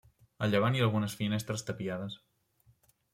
A llevant hi ha algunes finestres tapiades.